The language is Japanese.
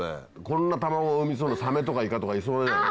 こんな卵を産みそうなサメとかイカとかいそうじゃない？